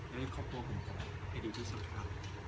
และให้ครอบครัวผมก็ให้ดีที่สุดครับ